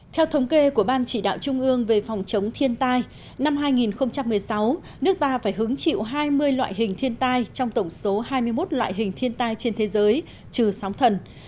theo thống kê của ban chỉ đạo trung ương về phòng chống thiên tai năm hai nghìn một mươi sáu nước ta phải hứng chịu hai mươi loại hình thiên tai trong tổng số hai mươi một loại hình thiên tai trên thế giới trừ sóng thần